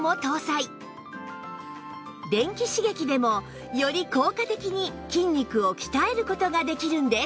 電気刺激でもより効果的に筋肉を鍛える事ができるんです